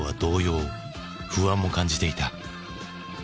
不安も感じていた。